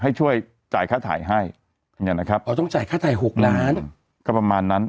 ให้ช่วยจ่ายค่าถ่ายให้เนี่ยนะครับเพราะต้องจ่ายค่าถ่าย๖ล้านก็ประมาณนั้น